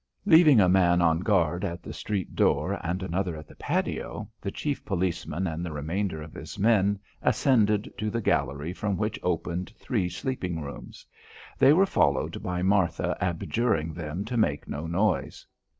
Leaving a man on guard at the street door and another in the patio, the chief policeman and the remainder of his men ascended to the gallery from which opened three sleeping rooms. They were followed by Martha abjuring them to make no noise.